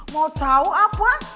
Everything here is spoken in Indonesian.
mau tau apa